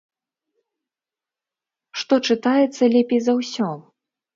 Што чытаецца лепей за ўсё?